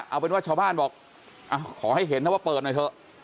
เอาเป็นว่าชาวบ้านบอกขอให้เห็นนะว่าเปิดหน่อยเถอะ